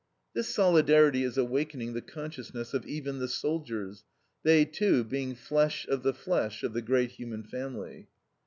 This solidarity is awakening the consciousness of even the soldiers, they, too, being flesh of the flesh of the great human family.